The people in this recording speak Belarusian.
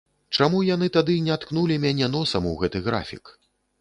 Чаму яны тады не ткнулі мяне носам у гэты графік?